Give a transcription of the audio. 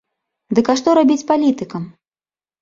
Дык а што рабіць палітыкам?